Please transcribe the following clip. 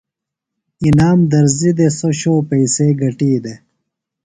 انعام درزی دےۡ۔ سوۡ شو پئیسے گٹی دےۡ۔